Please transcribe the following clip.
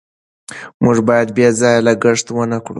موږ باید بې ځایه لګښت ونکړو.